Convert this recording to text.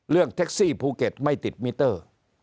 เรื่องแท็กซี่ภูเกตไม่ติดมิเตอร์